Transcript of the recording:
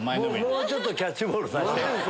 もうちょっとキャッチボールさせて。